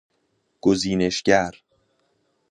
گزینشگر